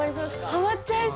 ハマっちゃいそう。